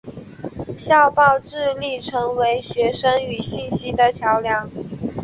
校报致力成为学生与信息的桥梁。